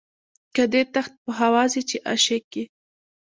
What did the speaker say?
که دي تخت په هوا ځي چې عاشق یې.